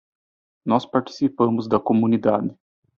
Nós participamos da comunidade.